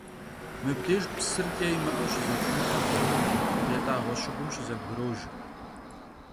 Mıbdêjj psır ç'e yimı'eu şızetrihe xhurkhımi, yat'ağue şıgum şızebgrojj.